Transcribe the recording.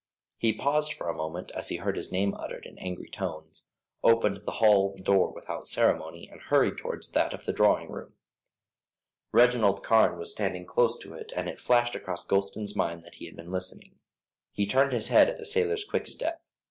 He paused for a moment as he heard his name uttered in angry tones, opened the hall door without ceremony, and hurried towards that of the drawing room. Reginald Carne was standing close to it, and it flashed across Gulston's mind that he had been listening. He turned his head at the sailor's quick step.